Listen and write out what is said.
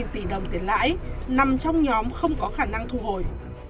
một trăm chín mươi ba tỷ đồng tiền lãi nằm trong nhóm không có khả năng thu hồi